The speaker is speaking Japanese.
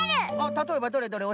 たとえばどれどれ？